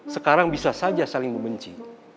sekarang bisa saja saling membenci